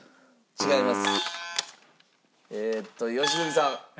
違います。